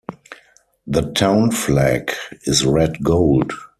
The town flag is red-gold.